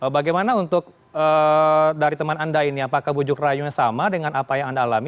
bagaimana untuk dari teman anda ini apakah bujuk rayunya sama dengan apa yang anda alami